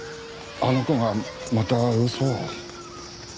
あの子がまた嘘を。